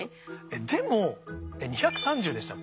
でも２３０でしたっけ？